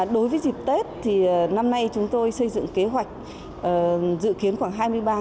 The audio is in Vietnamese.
đối với dịp tết năm nay chúng tôi xây dựng kế hoạch dự kiến khoảng hai mươi ba năm trăm linh